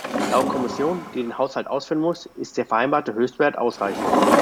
Laut Kommission, die den Haushalt ausführen muss, ist der vereinbarte Höchstwert ausreichend.